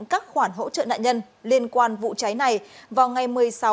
các khoản hỗ trợ nạn nhân liên quan vụ cháy này vào ngày một mươi sáu một mươi hai nghìn hai mươi ba